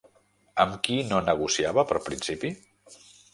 Amb qui no negociava per principi?